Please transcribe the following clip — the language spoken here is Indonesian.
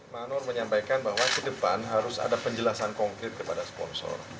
manur menyampaikan bahwa ke depan harus ada penjelasan konkret kepada sponsor